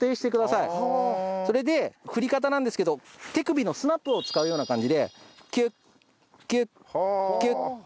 それで振り方なんですけど手首のスナップを使うような感じでキュッキュッキュッ。